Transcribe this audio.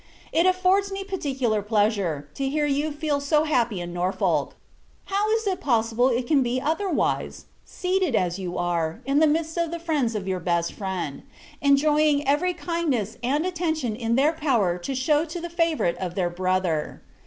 It affords me particular pleasure, to hear you feel so happy in Norfolk. How is it possible it can be otherwise! seated, as you are, in the midst of the friends of your best friend; enjoying every kindness and attention in their power to shew to the favourite of their brother.